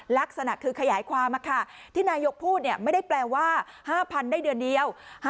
ลักษณะคือขยายความที่นายกพูดไม่ได้แปลว่า๕๐๐๐ได้เดือนเดียว